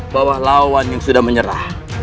bawah lawan yang sudah menyerah